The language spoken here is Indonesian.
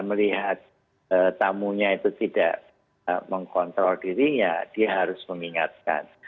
melihat tamunya itu tidak mengkontrol dirinya dia harus mengingatkan